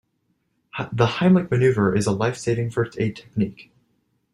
The Heimlich manoeuvre is a lifesaving first aid technique.